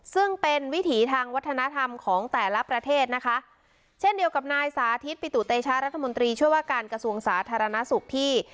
ซึ่งเป็นวิถีทางวัฒนธรรมของแต่ละประเทศนะคะเช่นเดียวกับนายสาธิตปิตุเตชะรัฐมนตรีช่วยว่าการกระทรวงสาธารณสุขที่